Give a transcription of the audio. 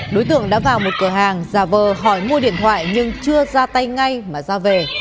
đối tượng đã vào một cửa hàng giả vờ hỏi mua điện thoại nhưng chưa ra tay ngay mà ra về